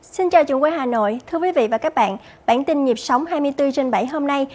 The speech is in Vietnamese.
xin chào quý vị và các bạn bản tin nhịp sóng hai mươi bốn trên bảy hôm nay